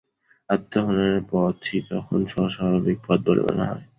আত্মহননের পথই তখন সহজ-স্বাভাবিক পথ বলে মনে হয়।